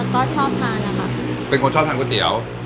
ก็ชอบทานนะคะเป็นคนชอบทานก๋วยเตี๋ยว